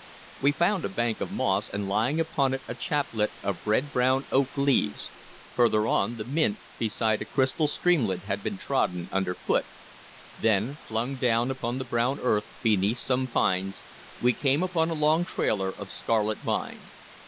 We found a bank of moss, and lying upon it a chaplet of red brown oak leaves; further on, the mint beside a crystal streamlet had been trodden underfoot; then, flung down upon the brown earth beneath some pines, we came upon a long trailer of scarlet vine.